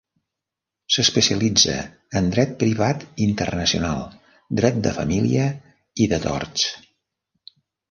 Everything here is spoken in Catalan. S'especialitza en dret privat internacional, dret de família i de torts.